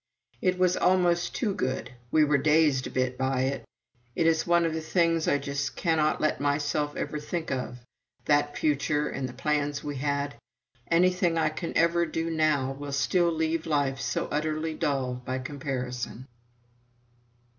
It was almost too good we were dazed a bit by it. It is one of the things I just cannot let myself ever think of that future and the plans we had. Anything I can ever do now would still leave life so utterly dull by comparison.